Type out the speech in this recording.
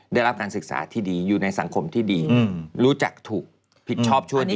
ได้รับการศึกษาที่ดีอยู่ในสังคมที่ดีรู้จักถูกผิดชอบชั่วดี